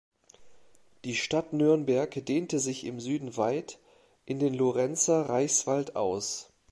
Die Stadt Nürnberg dehnte sich im Süden weit in den Lorenzer Reichswald aus.